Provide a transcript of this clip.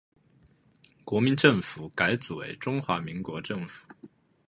国民政府改组为中华民国政府。